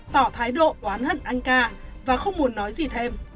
tỏ thái độ oán hận anh ca và không muốn nói gì thêm